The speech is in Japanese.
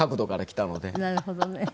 なるほどね。